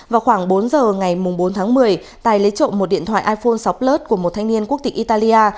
vào khoảng bốn giờ ngày bốn tháng một mươi tài lấy trộm một điện thoại iphone sáu plus của một thanh niên quốc tịch italia